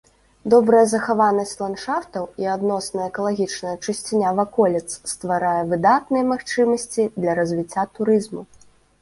Добрая захаванасць ландшафтаў і адносная экалагічная чысціня ваколіц стварае выдатныя магчымасці для развіцця турызму.